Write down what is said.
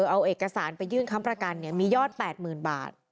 เอาเอกสารไปยื่นคำประกันมียอด๘๐๐๐บาท